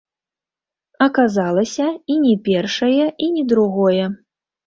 Аказалася, і ні першае, і ні другое.